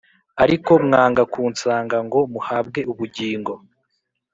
Ariko mwanga kunsanga ngo muhabwe ubugingo